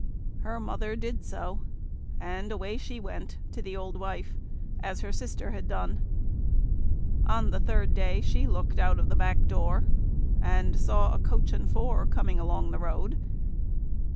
Her mother did so; and away she went to the old wife, as her sister had done. On the third day she looked out of the back door, and saw a coach and four coming along the road.